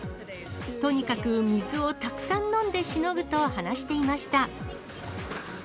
とにかく水をたくさん飲んでしのぐと話していました。